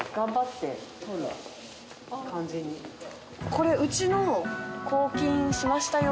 これうちの「抗菌しましたよ」